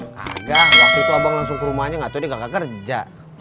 kagah waktu itu abang langsung ke rumahnya gak tau dia gak kerja